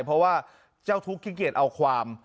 เพราะว่าเจ้าทุกข์ขี้เกียจเอาความ